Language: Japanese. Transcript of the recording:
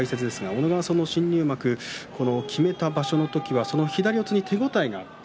小野川さんも新入幕を決めた場所の時は左四つに手応えがあった。